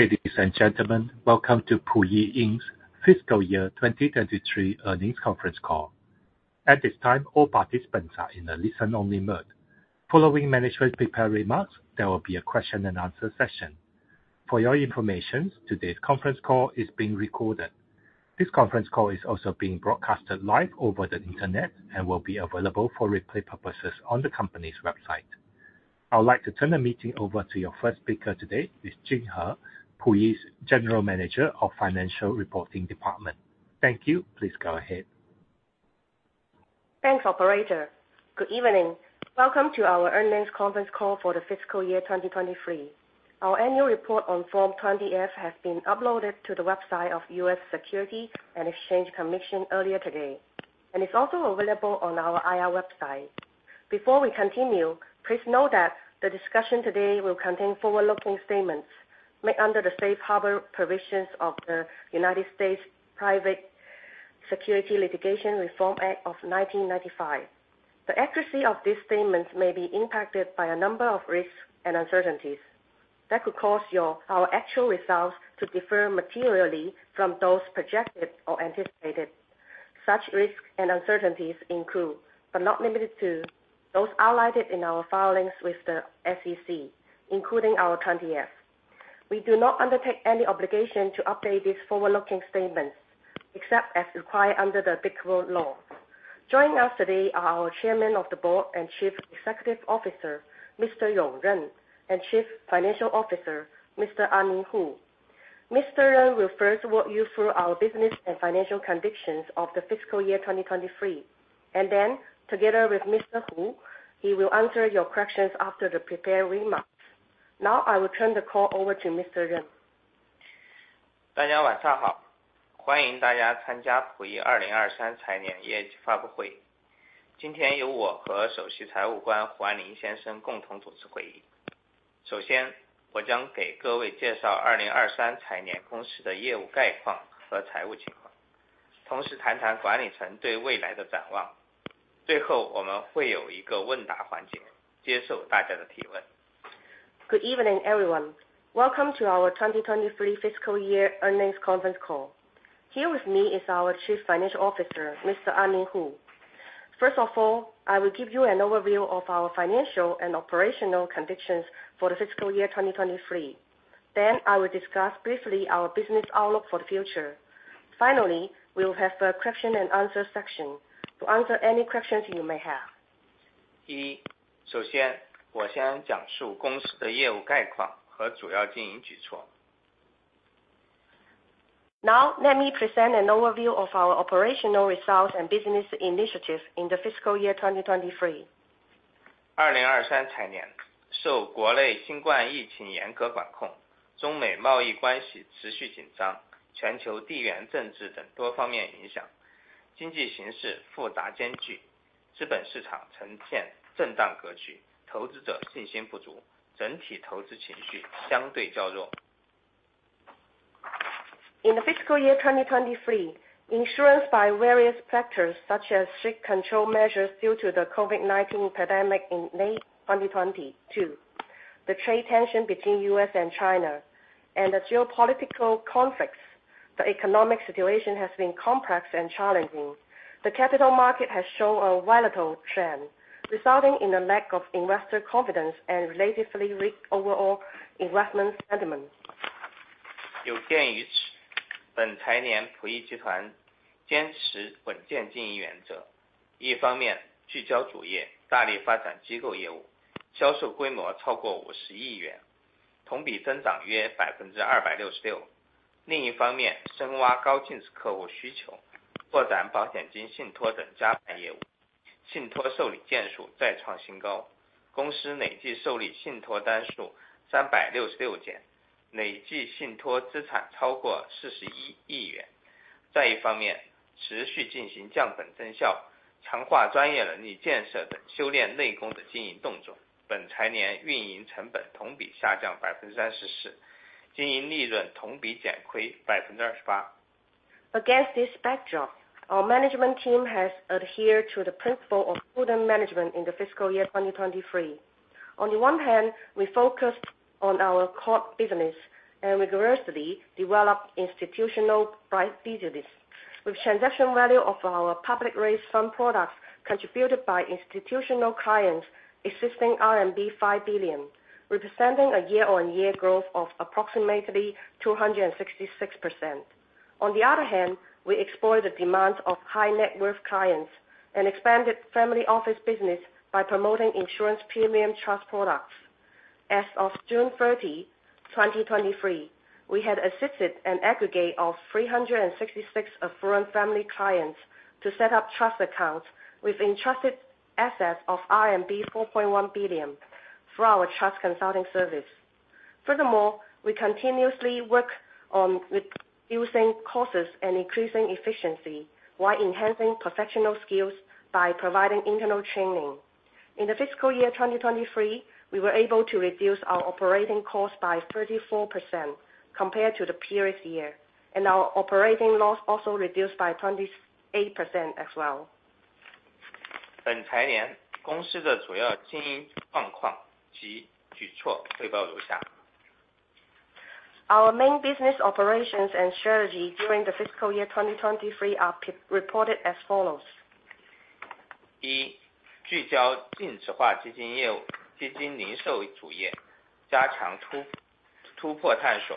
Ladies and gentlemen, welcome to Puyi Inc.'s Fiscal Year 2023 Earnings Conference Call. At this time, all participants are in a listen-only mode. Following management prepared remarks, there will be a question and answer session. For your information, today's conference call is being recorded. This conference call is also being broadcasted live over the internet and will be available for replay purposes on the company's website. I would like to turn the meeting over to your first speaker today, is Jing He, Puyi's General Manager of Financial Reporting Department. Thank you. Please go ahead. Thanks, operator. Good evening. Welcome to our earnings conference call for the fiscal year 2023. Our annual report on Form 20-F has been uploaded to the website of U.S. Securities and Exchange Commission earlier today, and it's also available on our IR website. Before we continue, please note that the discussion today will contain forward-looking statements made under the safe harbor provisions of the United States Private Securities Litigation Reform Act of 1995. The accuracy of these statements may be impacted by a number of risks and uncertainties that could cause your-- our actual results to differ materially from those projected or anticipated. Such risks and uncertainties include, but not limited to, those outlined in our filings with the SEC, including our 20-F. We do not undertake any obligation to update these forward-looking statements, except as required under the applicable law. Joining us today are our Chairman of the Board and Chief Executive Officer, Mr. Yong Ren, and Chief Financial Officer, Mr. Anlin Hu. Mr. Ren will first walk you through our business and financial conditions of the fiscal year 2023, and then together with Mr. Hu, he will answer your questions after the prepared remarks. Now I will turn the call over to Mr. Ren. Good evening, everyone. Welcome to our 2023 fiscal year earnings conference call. Here with me is our Chief Financial Officer, Mr. Anlin Hu. First of all, I will give you an overview of our financial and operational convictions for the fiscal year 2023. Then I will discuss briefly our business outlook for the future. Finally, we will have a question and answer section to answer any questions you may have. Now, let me present an overview of our operational results and business initiatives in the fiscal year 2023. In the fiscal year 2023, influenced by various factors such as strict control measures due to the COVID-19 pandemic in late 2022, the trade tension between U.S. and China, and the geopolitical conflicts, the economic situation has been complex and challenging. The capital market has shown a volatile trend, resulting in a lack of investor confidence and relatively weak overall investment sentiment. Against this backdrop, our management team has adhered to the principle of prudent management in the fiscal year 2023. On the one hand, we focused on our core business and rigorously developed institutional private business, with transaction value of our public raised fund products contributed by institutional clients exceeding RMB 5 billion, representing a year-on-year growth of approximately 266%. On the other hand, we explored the demands of high net worth clients and expanded family office business by promoting insurance premium trust products. As of June 30, 2023, we had assisted an aggregate of 366 affluent family clients to set up trust accounts with entrusted assets of RMB 4.1 billion through our trust consulting service. Furthermore, we continuously work on reducing costs and increasing efficiency, while enhancing professional skills by providing internal training. In the fiscal year 2023, we were able to reduce our operating cost by 34% compared to the previous year, and our operating loss also reduced by 28% as well. ...本财年公司的主要经营状况及举措汇报如下。Our main business operations and strategy during the fiscal year 2023 are reported as follows: 一、聚焦净值化基金业务，基金零售主业，加强突破探索。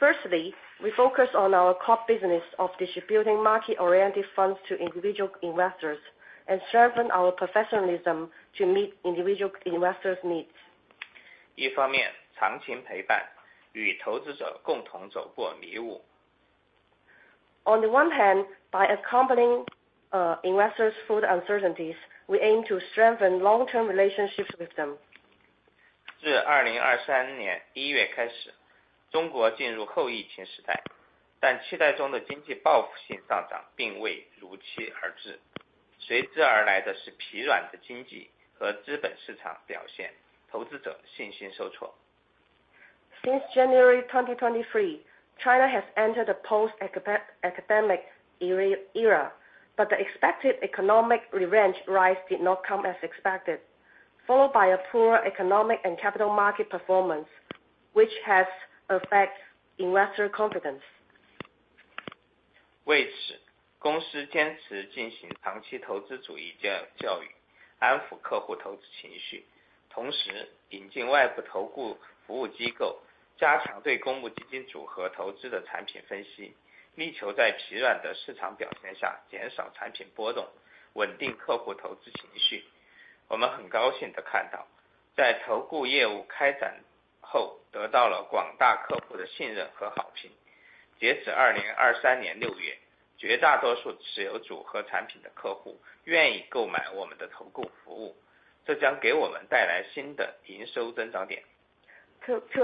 Firstly, we focus on our core business of distributing market-oriented funds to individual investors and strengthen our professionalism to meet individual investors' needs. 一方面，长期陪伴，与投资者共同走过迷雾。On the one hand, by accompanying investors through the uncertainties, we aim to strengthen long-term relationships with them. 自2023年1月开始，中国进入后疫情时代，但期待中的经济报复性上涨并未如期而至，随之而来的是疲软的经济和资本市场表现，投资者信心受挫。Since January 2023, China has entered a post-pacademic era, but the expected economic revenge rise did not come as expected, followed by a poor economic and capital market performance, which has affected investor confidence. To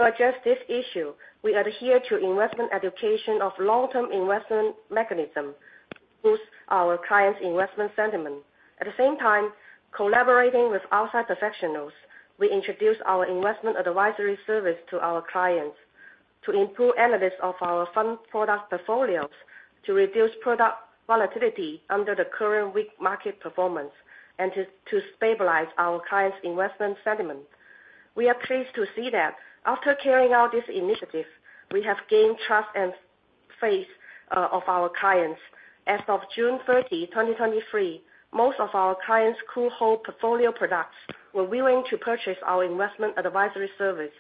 address this issue, we adhere to investment education of long-term investment mechanism, boost our clients' investment sentiment. At the same time, collaborating with outside professionals, we introduce our investment advisory service to our clients to improve analysis of our fund product portfolios, to reduce product volatility under the current weak market performance, and to stabilize our clients' investment sentiment. We are pleased to see that after carrying out this initiative, we have gained trust and faith of our clients. As of June 30th, 2023, most of our clients who hold portfolio products were willing to purchase our investment advisory service,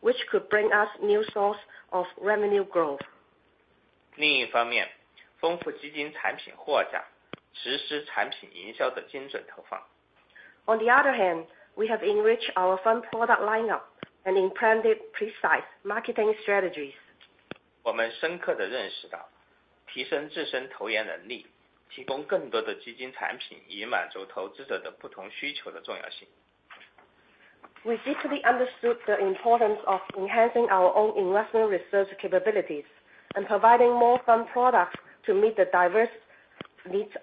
which could bring us new source of revenue growth. 另一方面，丰富基金产品货架，实施产品营销的精准投放。On the other hand, we have enriched our fund product lineup and implemented precise marketing strategies. 我们深刻地认识到，提升自身投研能力，提供更多的基金产品，以满足投资者的不同需求的重要性。We deeply understood the importance of enhancing our own investment research capabilities and providing more fund products to meet the diverse needs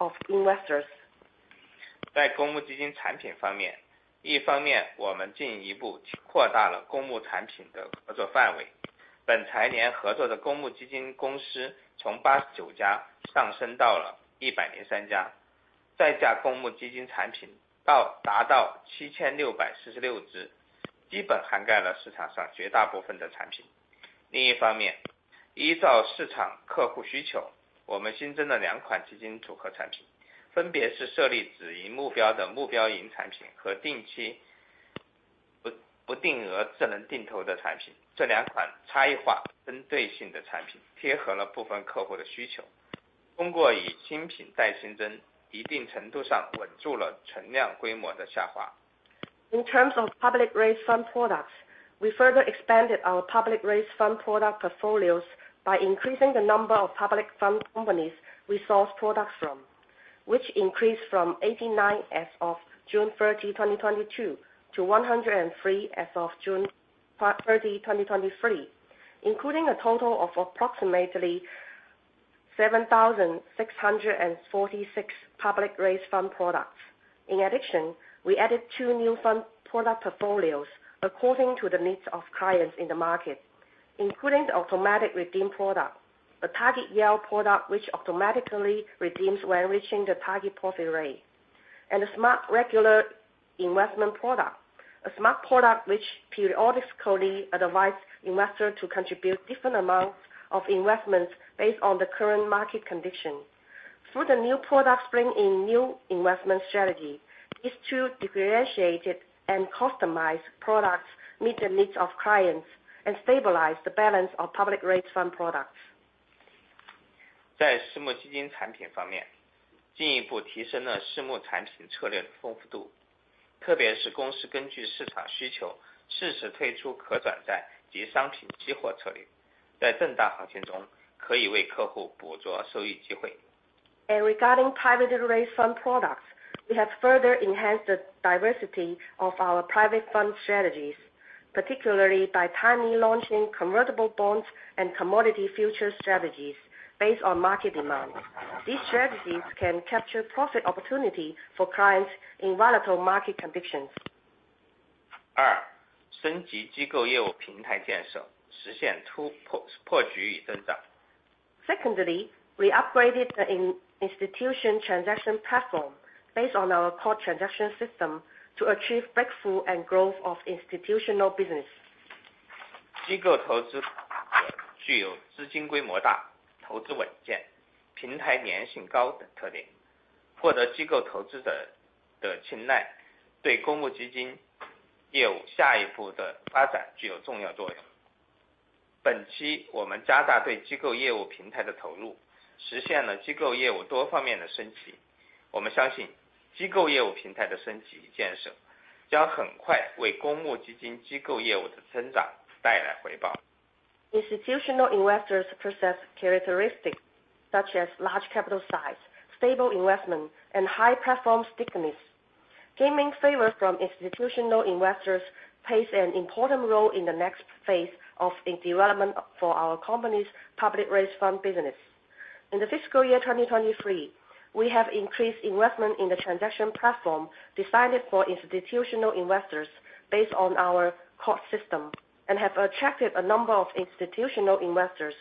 of investors. 在公募基金产品方面，一方面，我们进一步扩大了公募产品的合作范围，本财年合作公募基金公司从89家上升到103家，上架公募基金产品数量达到7,646只，基本覆盖了市场上绝大部分的产品。另一方面，依照市场客户需求，我们新增了2款基金组合产品，分别是设立止盈目标的目标盈产品和定期、不定额智能定投的产品。这2款差异化针对性的产品贴合了部分客户的需求。通过以新品带新增，一定程度上稳住了存量规模的下滑。In terms of public raised fund products, we further expanded our public raised fund product portfolios by increasing the number of public fund companies we source products from, which increased from 89 as of June 30th, 2022, to 103 as of June 30th, 2023, including a total of approximately 7,646 public raised fund products. In addition, we added two new fund product portfolios according to the needs of clients in the market, including the automatic redemption product, a target yield product which automatically redeems when reaching the target profit rate, and a smart regular investment product, a smart product which periodically advises investors to contribute different amounts of investments based on the current market condition. Through the new products bring in new investment strategy, these two differentiated and customized products meet the needs of clients and stabilize the balance of public raised fund products. 在私募基金产品方面，进一步提升了私募产品策略的丰富度，特别是公司根据市场需求，适时推出可转债及商品期货策略，在震荡行情中可以为客户捕捉收益机会。Regarding privately raised fund products, we have further enhanced the diversity of our private fund strategies, particularly by timely launching convertible bonds and commodity futures strategies based on market demand. These strategies can capture profit opportunity for clients in volatile market conditions. ...升级机构业务平台建设，实现突破，破局与增长。Secondly, we upgraded the institutional transaction platform based on our core transaction system to achieve breakthrough and growth of institutional business. 机构投资者具有资金规模大、投资稳健、平台粘性高等特点，获得机构投资者的青睐，对公募基金业务下一步的发展具有重要作用。本期我们加大对机构业务平台的投入，实现了机构业务多方面的升级。我们相信，机构业务平台的升级与建设，将很快为公募基金机构业务的增长带来回报。Institutional investors possess characteristics such as large capital size, stable investment, and high platform stickiness. Gaining favor from institutional investors plays an important role in the next phase of the development for our company's public raised fund business. In the fiscal year 2023, we have increased investment in the transaction platform designed for institutional investors based on our core system, and have attracted a number of institutional investors.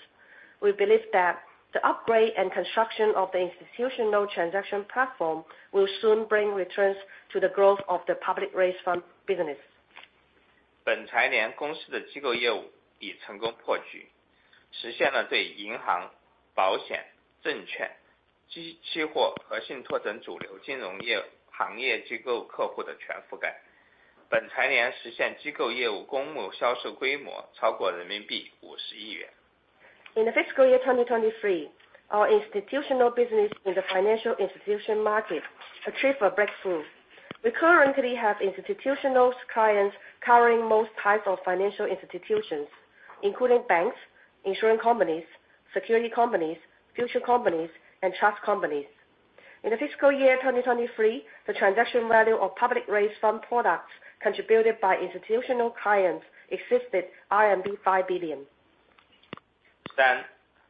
We believe that the upgrade and construction of the institutional transaction platform will soon bring returns to the growth of the public raised fund business. 本财年，公司的机构业务已成功破局，实现了对银行、保险、证券、期货和信托等主流金融行业机构客户的全覆盖。本财年实现机构业务公募销售规模超过人民币50亿元。In the fiscal year 2023, our institutional business in the financial institution market achieved a breakthrough. We currently have institutional clients covering most types of financial institutions, including banks, insurance companies, security companies, future companies, and trust companies. In the fiscal year 2023, the transaction value of public raised fund products contributed by institutional clients exceeded RMB 5 billion. 三、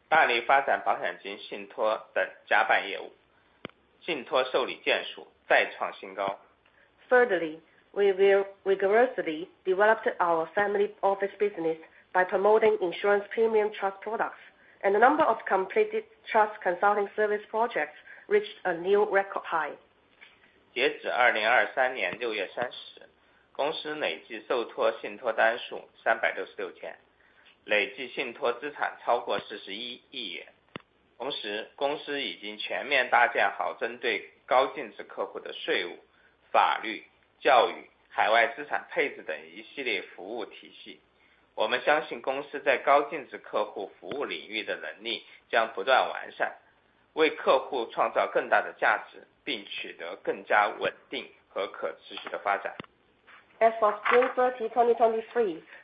大力发展保险金信托等家办业务，信托受理件数再创新高。Thirdly, we will vigorously develop our family office business by promoting insurance premium trust products, and the number of completed trust consulting service projects reached a new record high. As of June 30th, 2023, the company had cumulatively entrusted 366 trust orders, with cumulative trust assets exceeding CNY 4.1 billion. At the same time, the company has fully established a series of service systems for high net worth clients, including tax, legal, education, and overseas asset allocation. We believe the company's capabilities in serving high net worth clients will continue to improve, creating greater value for clients and achieving more stable and sustainable development. As of June 30th, 2023,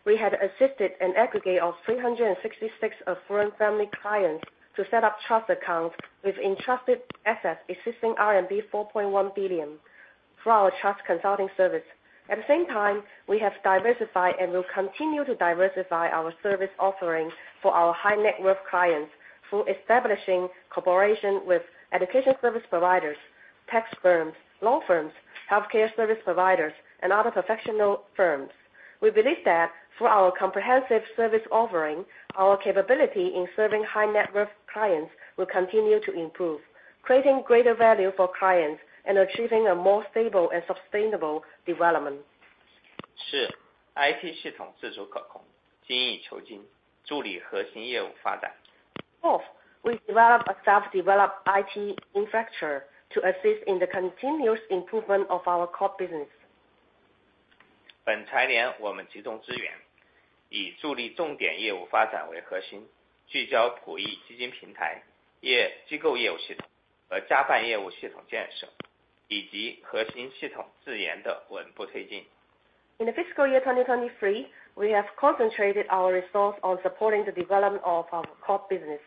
we had assisted an aggregate of 366 of affluent family clients to set up trust accounts with entrusted assets exceeding RMB 4.1 billion for our trust consulting service. At the same time, we have diversified and will continue to diversify our service offerings for our high net worth clients through establishing cooperation with education service providers, tax firms, law firms, healthcare service providers, and other professional firms. We believe that through our comprehensive service offering, our capability in serving high net worth clients will continue to improve, creating greater value for clients and achieving a more stable and sustainable development. 是，IT系统自主可控，精益求精，助力核心业务发展。Fourth, we developed a self-developed IT infrastructure to assist in the continuous improvement of our core business. 本财年，我们集中资源，以助力重点业务发展为核心，聚焦普益基金平台、机构业务系统和家办业务系统建设，以及核心系统自研的稳步推进。In the fiscal year 2023, we have concentrated our resource on supporting the development of our core business.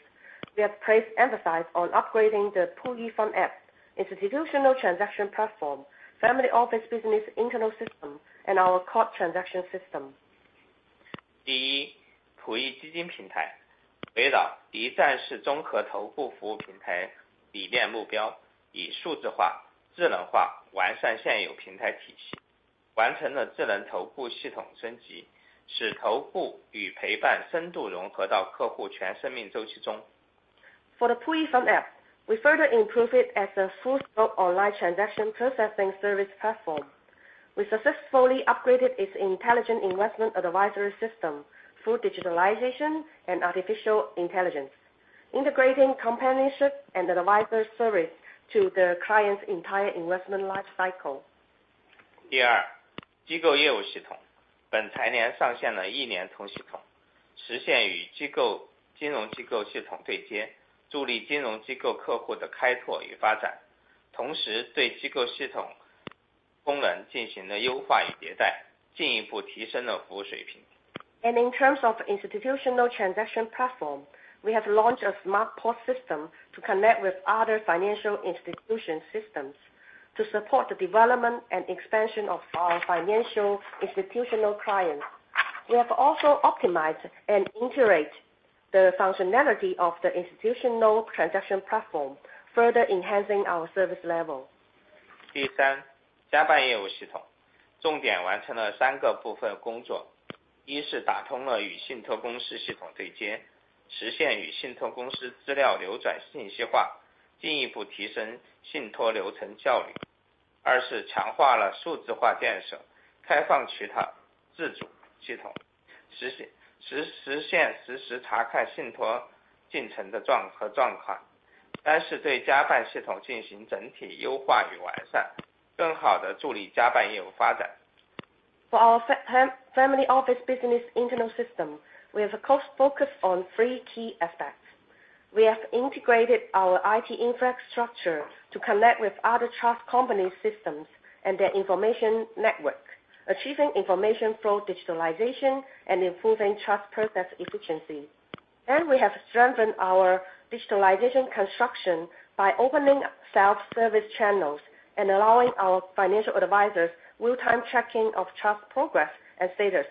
We have placed emphasis on upgrading the Puyi Fund app, institutional transaction platform, family office business, internal system, and our core transaction system. 第一，普益基金平台围绕一站式综合头部服务平台理念目标，以数字化、智能化完善现有平台体系，完成了智能投顾系统升级，使投顾与陪伴深度融合到客户全生命周期中。For the Puyi Fund app, we further improve it as a full-scale online transaction processing service platform. We successfully upgraded its intelligent investment advisory system through digitalization and artificial intelligence, integrating companionship and advisor service to the client's entire investment life cycle. 第二，机构业务系统。本财年上线了一年同系统，实现与机构金融机构系统对接，助力金融机构客户的开拓与发展，同时对机构系统功能进行了优化与迭代，进一步提升了服务水平。In terms of institutional transaction platform, we have launched a smart port system to connect with other financial institution systems to support the development and expansion of our financial institutional clients. We have also optimized and integrated the functionality of the institutional transaction platform, further enhancing our service level.... 第三，家办业务系统，重点完成了三个部分工作。一 是打通了与信托公司系统对接，实现与信托公司资料流转信息化，进一步提升信托流程效率。二是强化了数字化建设，开放其他自主系统，实现实时查看信托进程的状态。三是 对家办系统进行整体优化与完善，更好地助力家办业务发展。For our family office business internal system, we have of course, focused on three key aspects. We have integrated our IT infrastructure to connect with other trust company systems and their information network, achieving information flow digitalization and improving trust process efficiency. And we have strengthened our digitalization construction by opening self-service channels and allowing our financial advisors real-time tracking of trust progress and status.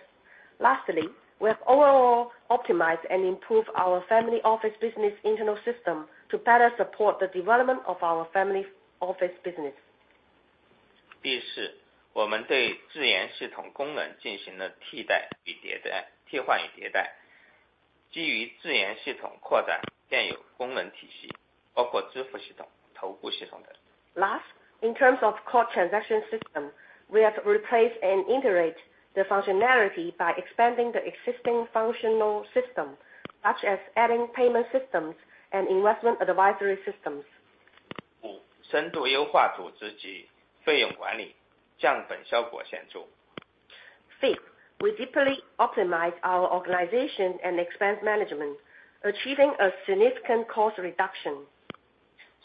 Lastly, we have overall optimized and improved our family office business internal system to better support the development of our family office business. 第四，我们对智研系统功能进行了替代与迭代，替换与迭代。基于智研系统扩展现有功能体系，包括支付系统、投顾系统等。Last, in terms of core transaction system, we have replaced and integrate the functionality by expanding the existing functional system, such as adding payment systems and investment advisory systems. 五，深度优化组织及费用管理，降本效果显著。Fifth, we deeply optimize our organization and expense management, achieving a significant cost reduction.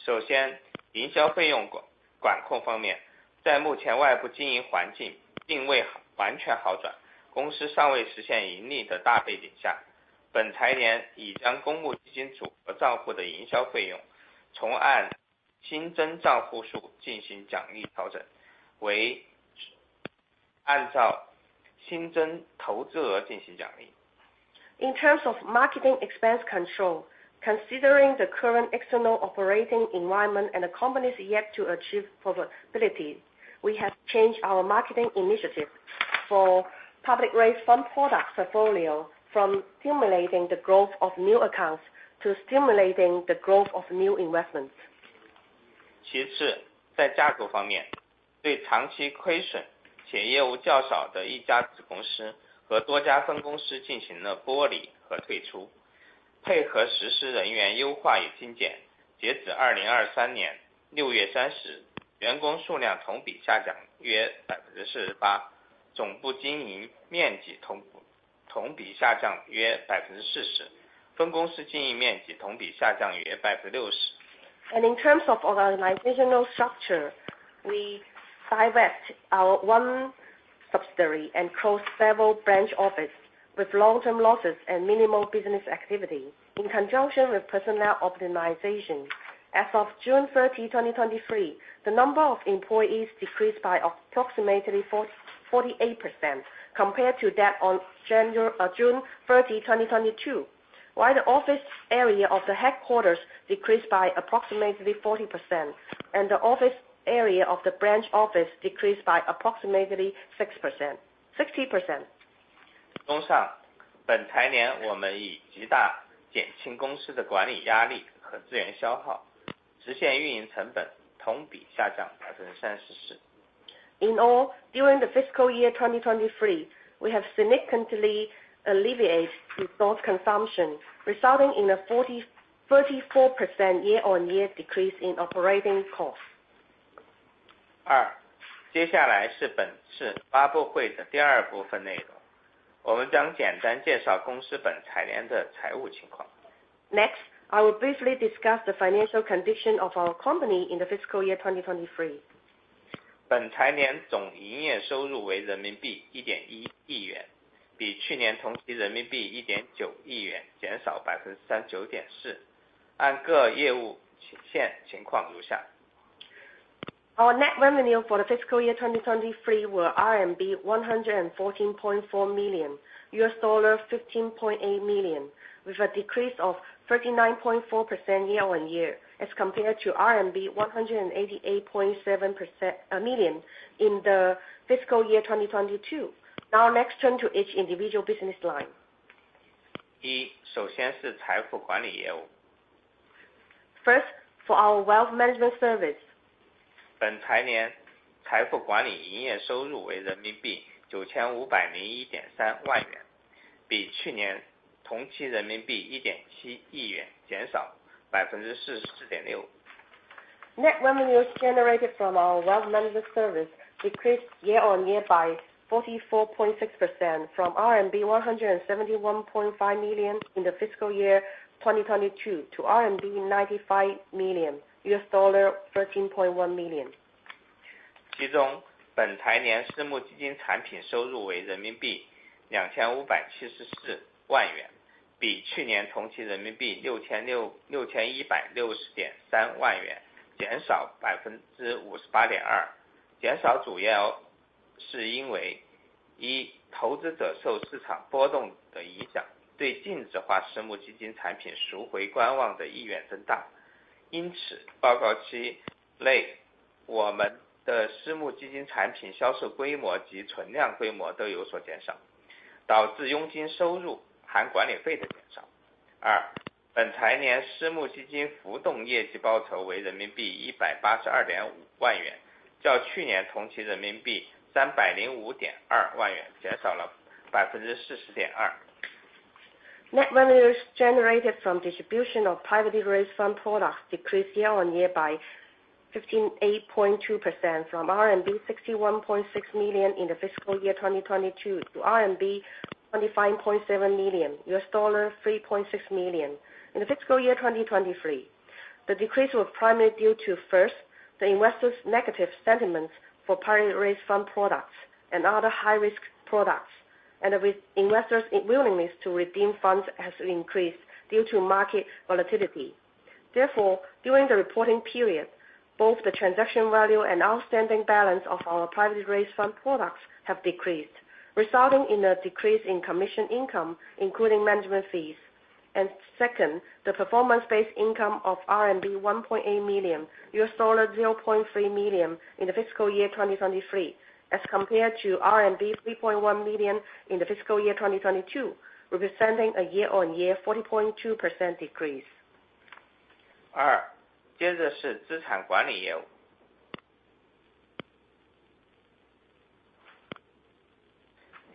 首先，营销费用管控方面，在目前外部经营环境并未完全好转，公司尚未实现盈利的大背景下，本财年已将公募基金组合账户的营销费用从按新增账户数进行奖励调整为按照新增投资额进行奖励。In terms of marketing expense control, considering the current external operating environment and the company's yet to achieve profitability, we have changed our marketing initiative for publicly raised fund products portfolio from stimulating the growth of new accounts to stimulating the growth of new investments. 其次，在架构方面，对长期亏损且业务较少的一家子公司和多家分公司进行了剥离和退出，配合实施人员优化与精简。截止2023年6月30日，员工数量同比下降约48%，总部经营面积同比下降约40%，分公司经营面积同比下降约60%。In terms of organizational structure, we divested our one subsidiary and closed several branch office with long term losses and minimal business activity. In conjunction with personnel optimization. As of June 30th, 2023, the number of employees decreased by approximately 48% compared to that on June 30th, 2022. While the office area of the headquarters decreased by approximately 40%, and the office area of the branch office decreased by approximately 60%. 综上，本财年我们已极大减轻公司的管理压力和资源消耗，实现运营成本同比下降34%。In all, during the fiscal year 2023, we have significantly alleviate resource consumption, resulting in a 43.4% year-on-year decrease in operating costs. 二，接下来是本次发布会的第二部分内容，我们将简单介绍公司本财年的财务情况。Next, I will briefly discuss the financial condition of our company in the fiscal year 2023. 本财年总营业收入为人民币1.1亿元，比去年同期人民币1.9亿元减少39.4%。按各业务线情况如下。Our net revenue for the fiscal year 2023 were RMB 114.4 million, $15.8 million, with a decrease of 39.4% year-on-year as compared to RMB 188.7 million in the fiscal year 2022. Now next turn to each individual business line. 一，首先是财富管理业务。First, for our wealth management service. 本财年财富管理营业收入为 CNY 95,013,000，比去年同期 CNY 170,000,000 减少 44.6%。Net revenues generated from our wealth management service decreased year on year by 44.6% from RMB 171.5 million in the fiscal year 2022 to RMB 95 million, $13.1 million. Net revenues generated from distribution of privately raised fund products decreased year-over-year by 58.2% from RMB 61.6 million in the fiscal year 2022 to RMB 25.7 million, $3.6 million in the fiscal year 2023. The decrease was primarily due to, first, the investors' negative sentiments for privately raised fund products and other high-risk products, and with investors' willingness to redeem funds has increased due to market volatility. Therefore, during the reporting period, both the transaction value and outstanding balance of our privately raised fund products have decreased, resulting in a decrease in commission income, including management fees. Second, the performance-based income of RMB 1.8 million, $0.3 million in the fiscal year 2023 as compared to RMB 3.1 million in the fiscal year 2022, representing a year-on-year 40.2% decrease.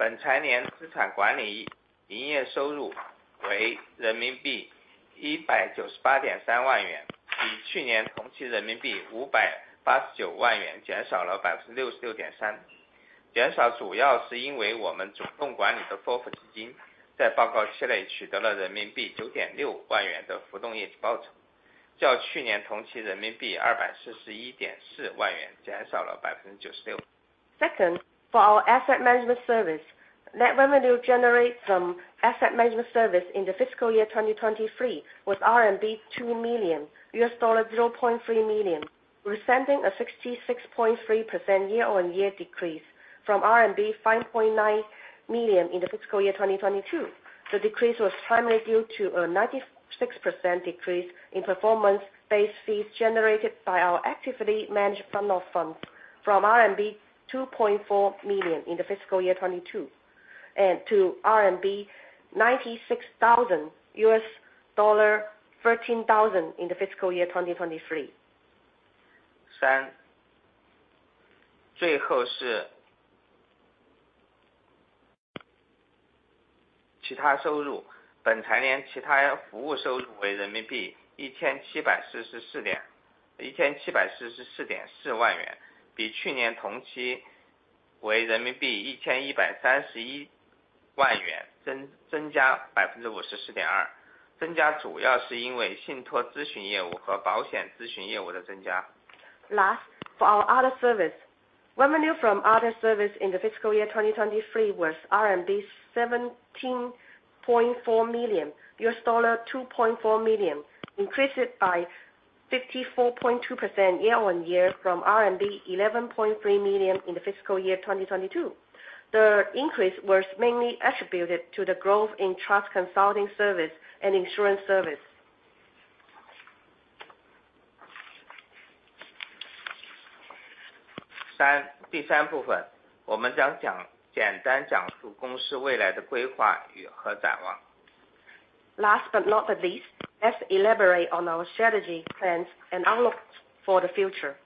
二，接下来是资产管理业务。本财年资产管理营业收入为人民币198.3万元，比去年同期人民币589万元减少了66.3%。减少主要是因为我们主动管理的FOF基金，在报告期内取得了人民币9.6万元的浮动业绩报酬，较去年同期人民币241.4万元减少了96%。Second, for our asset management service, net revenue generated from asset management service in the fiscal year 2023 was RMB two million, $0.3 million, representing a 66.3% year-on-year decrease from RMB 5.9 million in the fiscal year 2022. The decrease was primarily due to a 96% decrease in performance-based fees generated by our actively managed fund of funds from RMB 2.4 million in the fiscal year 2022, and to RMB 96,000, $13,000 in the fiscal year 2023. 3. 最后是其他收入。本财年其他服务收入为 CNY 1,744.4 万元，比去年同期为 CNY 1,131 万元，增加 54.2%。增加主要是因为信托咨询业务和保险咨询业务的增加。Last, for our other service, revenue from other service in the fiscal year 2023 was RMB 17.4 million, $2.4 million, increased by 54.2% year-on-year from 11.3 million in the fiscal year 2022. The increase was mainly attributed to the growth in trust consulting service and insurance service. 三，第三部分，我们将讲，简单讲述公司未来的规划与展望。Last but not the least, let's elaborate on our strategy, plans, and outlooks for the future.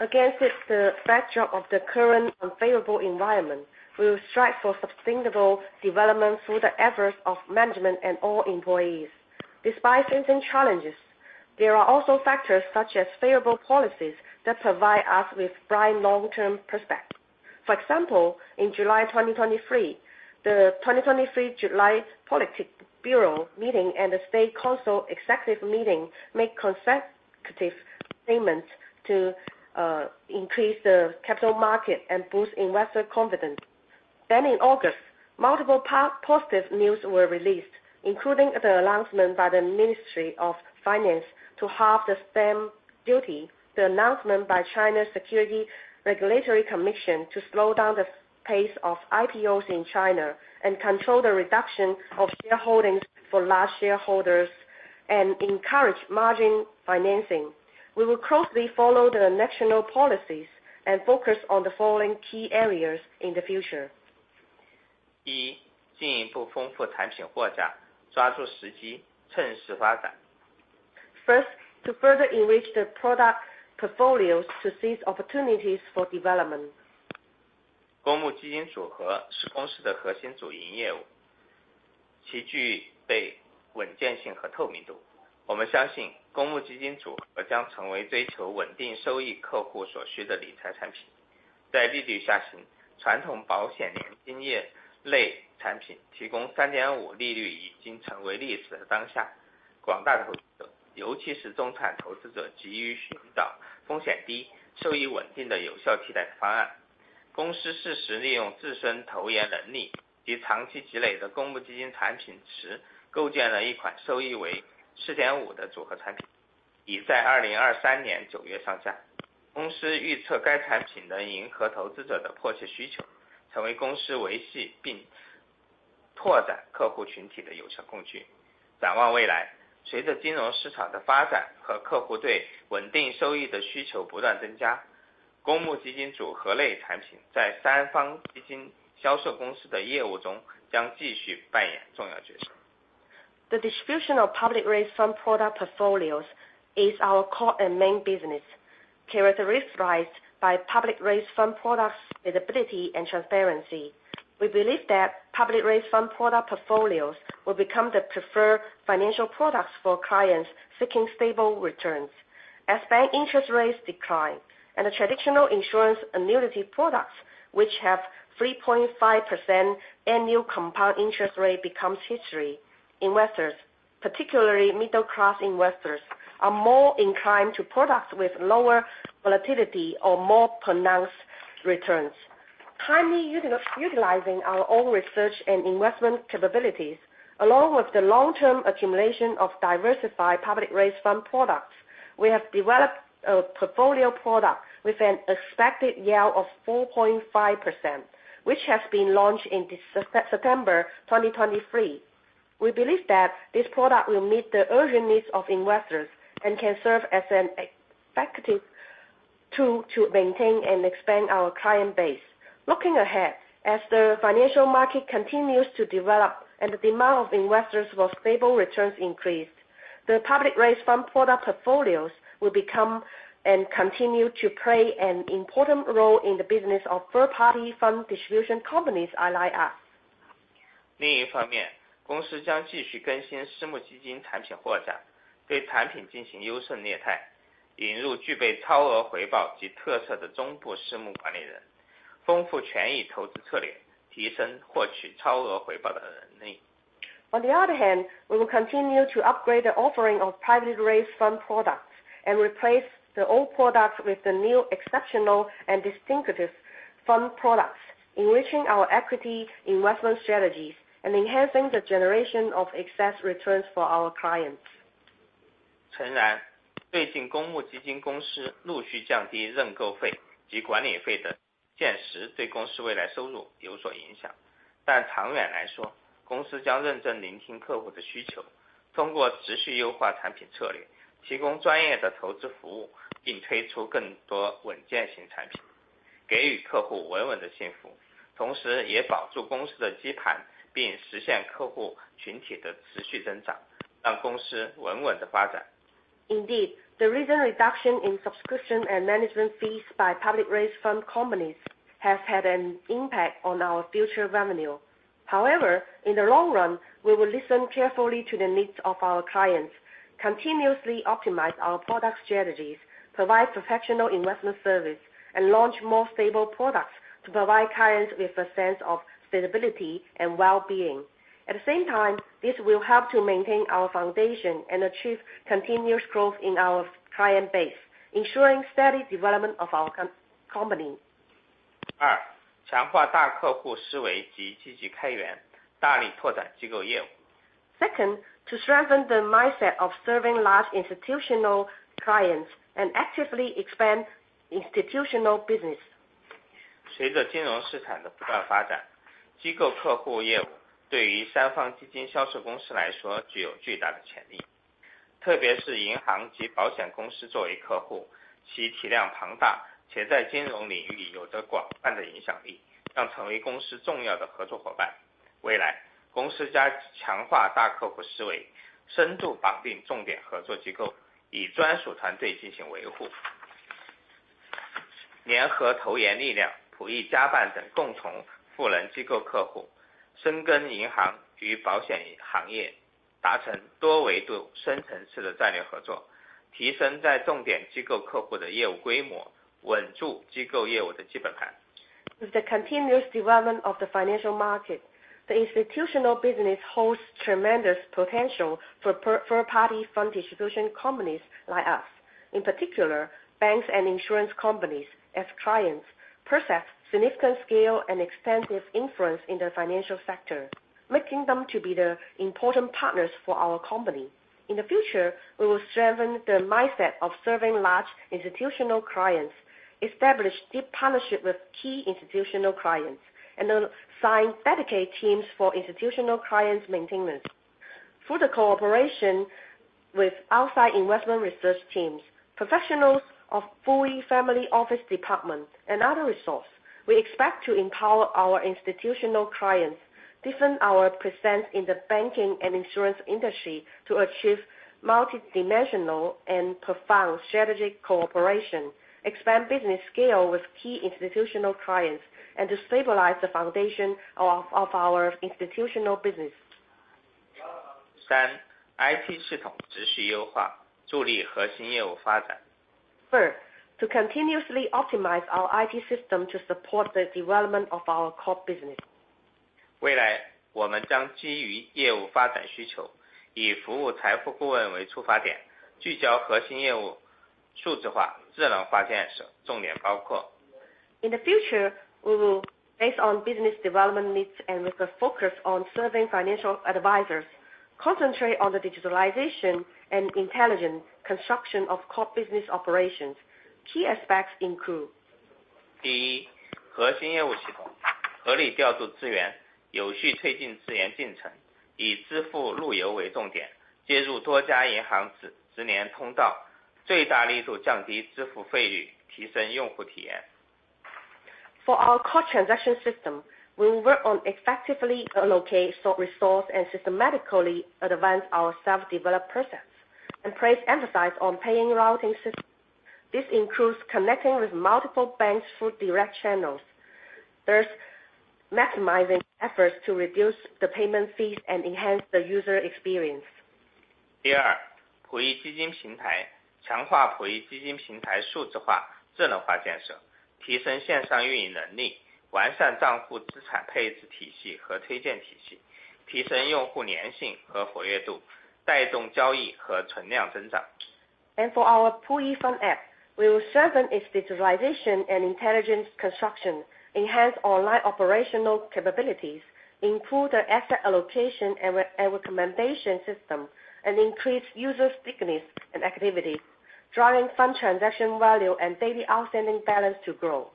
Against the backdrop of the current unfavorable environment, we will strive for sustainable development through the efforts of management and all employees. Despite facing challenges, there are also factors such as favorable policies that provide us with bright long-term prospects. For example, in July 2023, the 2023 July Politburo meeting and the State Council executive meeting make consecutive statements to increase the capital market and boost investor confidence. Then in August, multiple positive news were released, including the announcement by the Ministry of Finance to halve the stamp duty, the announcement by the China Securities Regulatory Commission to slow down the pace of IPOs in China and control the reduction of shareholdings for large shareholders, and encourage margin financing. We will closely follow the national policies and focus on the following key areas in the future. ...一，进一步丰富产品货架，抓住时机，趁势发展。First, to further enrich the product portfolio to seize opportunities for development. The distribution of public raised fund product portfolios is our core and main business, characterized by public raised fund products, stability, and transparency. We believe that public raised fund product portfolios will become the preferred financial products for clients seeking stable returns. As bank interest rates decline and the traditional insurance annuity products, which have 3.5% annual compound interest rate, becomes history, investors, particularly middle-class investors, are more inclined to products with lower volatility or more pronounced returns. Timely utilizing our own research and investment capabilities, along with the long-term accumulation of diversified public raised fund products, we have developed a portfolio product with an expected yield of 4.5%, which has been launched in September 2023. We believe that this product will meet the urgent needs of investors and can serve as an effective tool to maintain and expand our client base. Looking ahead, as the financial market continues to develop and the demand of investors for stable returns increase, the publicly raised fund product portfolios will become and continue to play an important role in the business of third-party fund distribution companies like us. 另一方面，公司将继续更新私募基金产品货架，对产品进行优胜劣汰，引入具备超额回报及特色头部私募管理者，丰富权益投资策略，提升获取超额回报的能力。On the other hand, we will continue to upgrade the offering of privately raised fund products and replace the old products with the new exceptional and distinctive fund products, enriching our equity investment strategies and enhancing the generation of excess returns for our clients. 诚然，最近公募基金公司陆续降低认购费及管理费的现实，对公司未来收入有所影响。但长远来说，公司将认真聆听客户的需求，通过持续优化产品策略，提供专业的投资服务，并推出更多稳健型产品，给予客户稳稳的幸福，同时也保住公司的基盘，并实现客户群体的持续增长，让公司稳稳地发展。Indeed, the recent reduction in subscription and management fees by public raised fund companies has had an impact on our future revenue. However, in the long run, we will listen carefully to the needs of our clients, continuously optimize our product strategies, provide professional investment services, and launch more stable products to provide clients with a sense of stability and well-being. At the same time, this will help to maintain our foundation and achieve continuous growth in our client base, ensuring steady development of our company. 二，强化大客户思维，及积极开源，大力拓展机构业务。Second, to strengthen the mindset of serving large institutional clients and actively expand institutional business. With the continuous development of the financial market, the institutional business holds tremendous potential for third-party fund distribution companies like us. In particular, banks and insurance companies as clients, possess significant scale and extensive influence in the financial sector, making them to be the important partners for our company. In the future, we will strengthen the mindset of serving large institutional clients, establish deep partnership with key institutional clients, and then assign dedicated teams for institutional clients maintenance.... Through the cooperation with outside investment research teams, professionals of Puyi Family Office Department and other resource, we expect to empower our institutional clients, deepen our presence in the banking and insurance industry to achieve multidimensional and profound strategic cooperation, expand business scale with key institutional clients, and to stabilize the foundation of our institutional business. Third, to continuously optimize our IT system to support the development of our core business. In the future, we will, based on business development needs and with a focus on serving financial advisors, concentrate on the digitalization and intelligence construction of core business operations. Key aspects include: For our core transaction system, we will work on effectively allocate software resources and systematically advance our self-developed process, and place emphasis on payment routing system. This includes connecting with multiple banks through direct channels, thus maximizing efforts to reduce the payment fees and enhance the user experience. For our Puyi Fund App, we will sharpen its digitalization and intelligence construction, enhance online operational capabilities, improve the asset allocation and research and recommendation system, and increase user stickiness and activity, driving fund transaction value and daily outstanding balance to grow.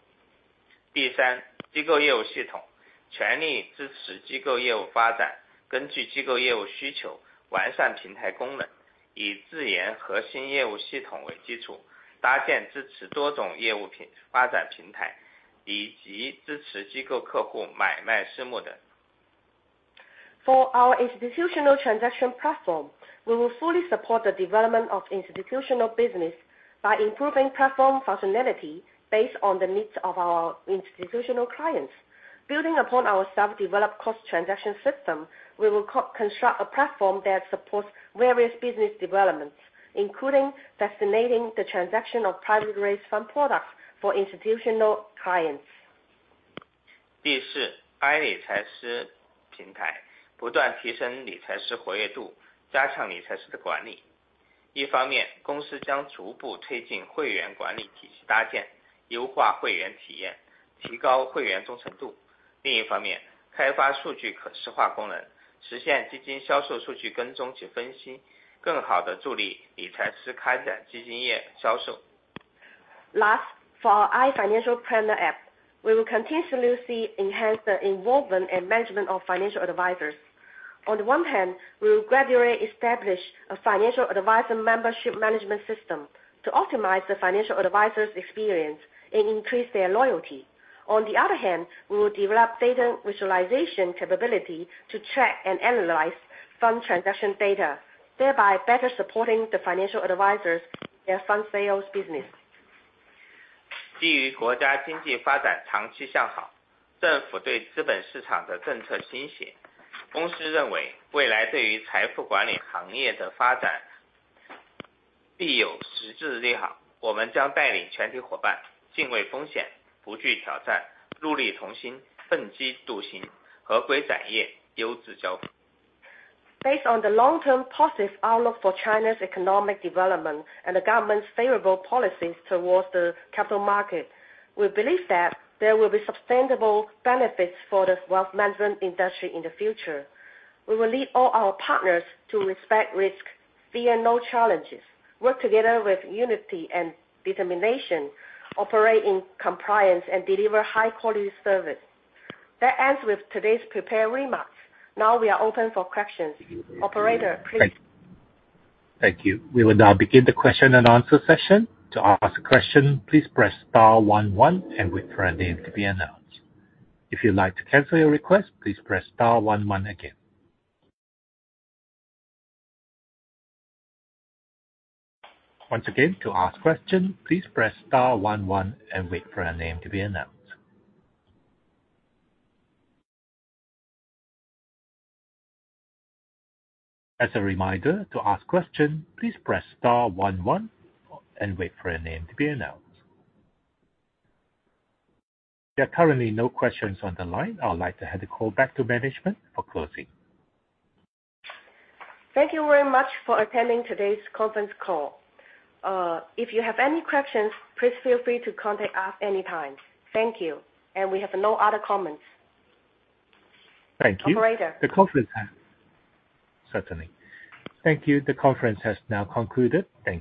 For our institutional transaction platform, we will fully support the development of institutional business by improving platform functionality based on the needs of our institutional clients. Building upon our self-developed cost transaction system, we will co-construct a platform that supports various business developments, including facilitating the transaction of private raised fund products for institutional clients. Last, for our iFinancial Planner app, we will continuously enhance the involvement and management of financial advisors. On the one hand, we will gradually establish a financial advisor membership management system to optimize the financial advisors' experience and increase their loyalty. On the other hand, we will develop data visualization capability to track and analyze fund transaction data, thereby better supporting the financial advisors their fund sales business. Based on the long-term positive outlook for China's economic development and the government's favorable policies towards the capital market, we believe that there will be sustainable benefits for the wealth management industry in the future. We will lead all our partners to respect risk, fear no challenges, work together with unity and determination, operate in compliance, and deliver high quality service. That ends with today's prepared remarks. Now we are open for questions. Operator, please. Thank you. We will now begin the question and answer session. To ask a question, please press star one one and wait for your name to be announced. If you'd like to cancel your request, please press star one one again. Once again, to ask a question, please press star one one and wait for your name to be announced. As a reminder, to ask a question, please press star one one and wait for your name to be announced. There are currently no questions on the line. I would like to hand the call back to management for closing. Thank you very much for attending today's conference call. If you have any questions, please feel free to contact us anytime. Thank you, and we have no other comments. Thank you. Operator? Certainly. Thank you. The conference has now concluded. Thank you.